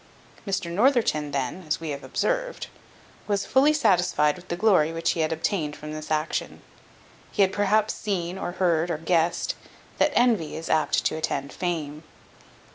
Mr Northerton then, as we have before observed, was fully satisfied with the glory which he had obtained from this action. He had perhaps seen, or heard, or guessed, that envy is apt to attend fame.